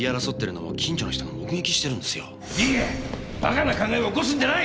バカな考えを起こすんじゃない！